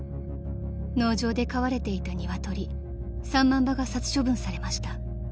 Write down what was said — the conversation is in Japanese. ［農場で飼われていた鶏３万羽が殺処分されました］